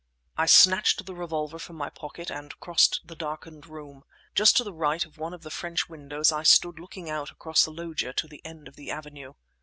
I snatched the revolver from my pocket and crossed the darkened room. Just to the right of one of the French windows I stood looking out across the loggia to the end of the avenue.